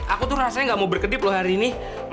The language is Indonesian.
aku tuh rasanya gak mau berkedip loh hari ini